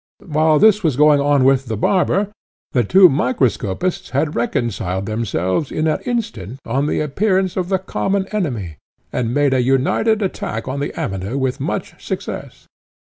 While this was going on with the barber, the two microscopists had reconciled themselves in an instant on the appearance of the common enemy, and made a united attack on the Amateur with much success.